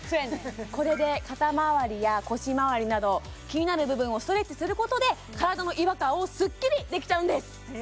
これで肩まわりや腰まわりなど気になる部分をストレッチすることで体の違和感をスッキリできちゃうんです